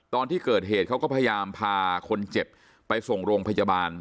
ตอนที่เกิดเหตุเขาก็พยายามพาคนเจ็บไปส่งโรงพยาบาล